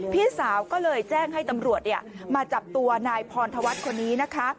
พี่สาวก็เลยแจ้งให้ตำรวจมาจับตัวนายพรธวัฒน์คนนี้นะคะ